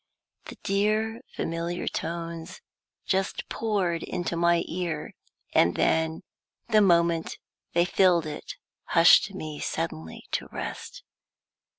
The dear, familiar tones just poured into my ear, and then, the moment they filled it, hushed me suddenly to rest.